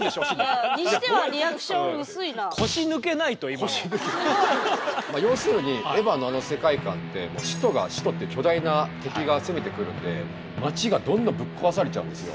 いやあにしては要するに「エヴァ」のあの世界観って「使徒」が「使徒」って巨大な敵が攻めてくるんで街がどんどんぶっ壊されちゃうんですよ。